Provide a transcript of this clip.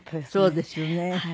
そうですよね。